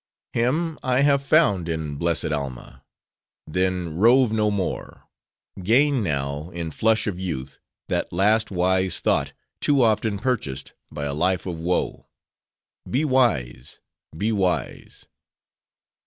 Him I have found in blessed Alma. Then rove no more. Gain now, in flush of youth, that last wise thought, too often purchased, by a life of woe. Be wise: be wise.